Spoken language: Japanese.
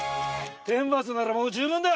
天罰ならもう十分だ！